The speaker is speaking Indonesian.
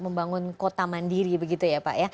membangun kota mandiri begitu ya pak ya